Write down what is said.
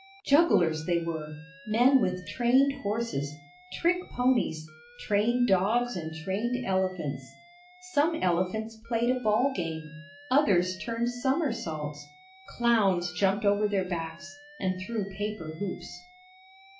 Jugglers they were, men with trained horses, trick ponies, trained dogs and trained elephants. Some elephants played a ball game, others turned somersaults. Clowns jumped over their backs, and through paper hoops.